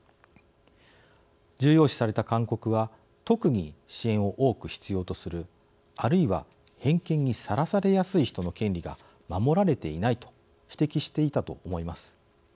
重要視された勧告は特に支援を多く必要とするあるいは偏見にさらされやすい人の権利が守られていないと指摘していたと思います。